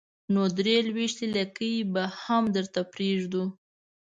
نو درې لوېشتې لکۍ به هم درته پرېږدو.